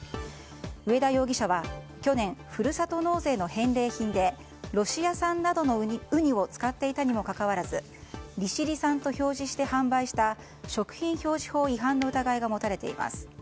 上田容疑者は去年、ふるさと納税の返礼品でロシア産などのウニを使っていたのにもかかわらず利尻産と表示して販売した食品表示法違反の疑いが持たれています。